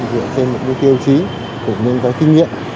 dựa trên một mức tiêu chí tự nhiên ra kinh nghiệm